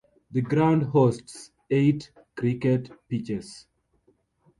The ground hosts eight cricket pitches.